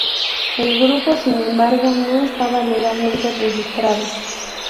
El grupo, sin embargo, no estaba legalmente registrado.